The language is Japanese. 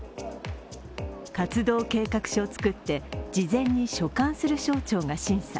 活動計画書を作って事前に所管する省庁が審査。